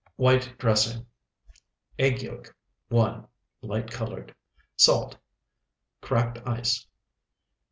WHITE DRESSING Egg yolk, 1, light colored. Salt. Cracked ice.